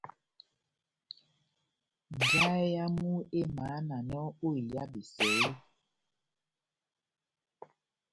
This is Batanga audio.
Njahɛ yamu emahananɔ ó iha besɛ eeeh ?